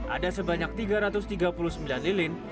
ada sebanyak tiga ratus tiga puluh sembilan lilin